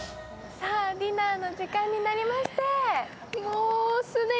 ディナーの時間になりました。